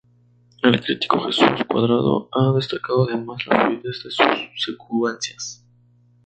El crítico Jesús Cuadrado ha destacado, además, la fluidez de sus secuencias.